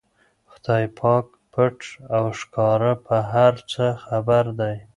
خدای پاک پټ او ښکاره په هر څه خبر دی.